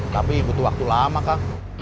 tapi butuh waktu lama kak